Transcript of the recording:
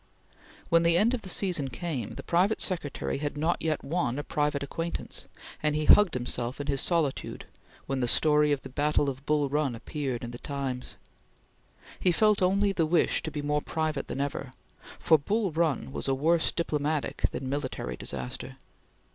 When the end of the season came, the private secretary had not yet won a private acquaintance, and he hugged himself in his solitude when the story of the battle of Bull Run appeared in the Times. He felt only the wish to be more private than ever, for Bull Run was a worse diplomatic than military disaster.